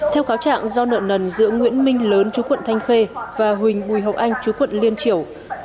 theo kháo trạng do nợ nần giữa nguyễn minh lớn chú quận thanh khê và huỳnh ngùi hộc anh chú quận liên triều